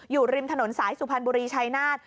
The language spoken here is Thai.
อยู่ริมถนนสายสุพรรณบุรีชายนาฏ